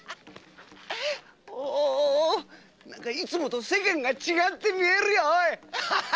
おおいつもと世間が違って見えるよおい！